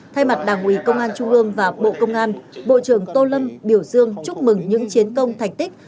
thay mặt đảng ủy công an trung ương và bộ công an bộ trưởng tô lâm biểu dương chúc mừng những chiến công thành tích